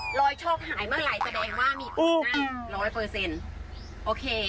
ปล่อยช็อคหายเมื่อไรแสดงว่ามีคนนั่ง๑๐๐